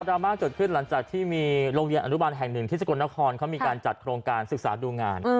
ราม่าเกิดขึ้นหลังจากที่มีโรงเรียนอนุบันแห่งหนึ่งที่สกลนครเขามีการจัดโครงการศึกษาดูงาน